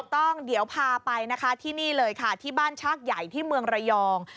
ต้องเดี๋ยวพาไปนะคะที่นี่เลยค่ะที่บ้านชากใหญ่ที่เมืองระยอง